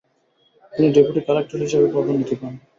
তিনি deputy collector হিসেবে পদোন্নতি পান।